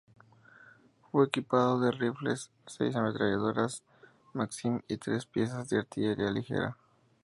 Fue equipado de rifles, seis ametralladoras Maxim y tres piezas de artillería ligera.